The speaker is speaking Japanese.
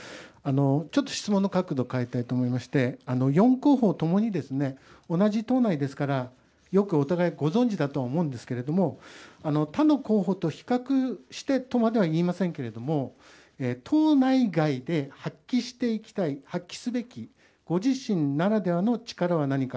ちょっと質問の角度変えたいと思いまして、４候補ともに同じ党内ですから、よくお互いご存じだとは思うんですけれども、他の候補と比較してとまでは言いませんけれども、党内外で発揮していきたい、発揮すべきご自身ならではの力は何か。